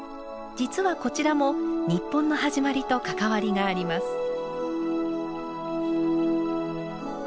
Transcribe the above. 実はこちらも日本の始まりと関わりがあります。